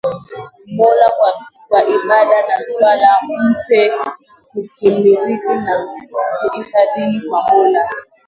Mola kwa ibada na swala humpa kukirimika na kuhifadhika kwa Mola